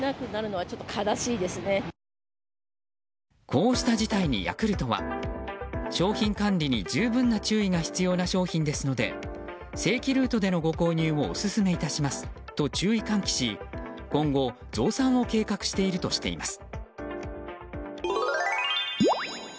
こうした事態にヤクルトは商品管理に十分な注意が必要な商品ですので正規ルートでのご購入をオススメいたしますと注意喚起し、今後、増産を計画しているとしています。